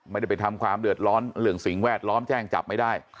ไม่ได้ไปทำความเดือดร้อนเรื่องสิ่งแวดล้อมแจ้งจับไม่ได้